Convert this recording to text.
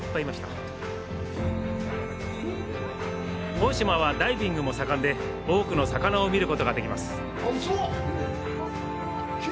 大島は、ダイビングも盛んで多くの魚を見ることができます。